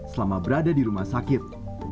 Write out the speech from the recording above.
selama berada di rumah sakit